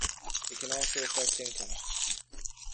It can also affect income.